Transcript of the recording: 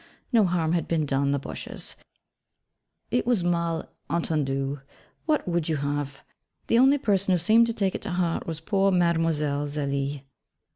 No harm had been done the bushes: it was a mal entendu what would you have? The only person who seemed to take it to heart was poor Mlle. Zélie.